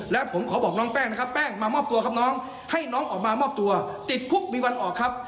แล้วผมเค้าบอกน้องแป้งเป้งมามอบตัวครับน้องให้น้องมามอบตัวติดกุบมีวันออกครับ